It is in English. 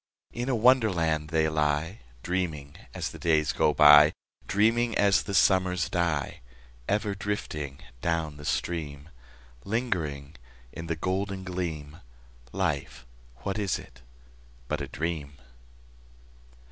In a Wonderland they lie, Dreaming as the days go by, Dreaming as the summers die: Ever drifting down the stream— Lingering in the golden gleam— Life, what is it but a dream?